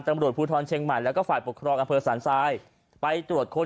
ตำรวจภูทรเชียงใหม่แล้วก็ฝ่ายปกครองอำเภอสันทรายไปตรวจค้น